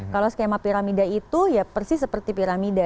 kalau skema piramida itu ya persis seperti piramida